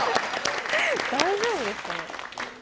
大丈夫ですかね？